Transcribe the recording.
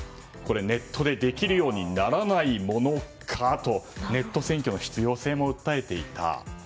ネットでできるようにならないものかとネット選挙の必要性も訴えていた。